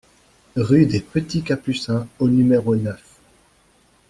Rue des Petits Capucins au numéro neuf